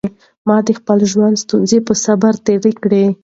ما د خپل ژوند ستونزې په صبر تېرې کړې.